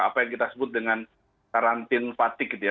apa yang kita sebut dengan karantin fatigue gitu ya